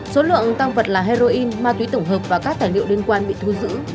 số lượng tăng vật là heroin ma túy tổng hợp và các tài liệu liên quan bị thu giữ